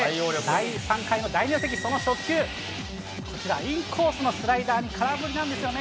第３回の第２打席その初球、インコースのスライダー、空振りなんですよね。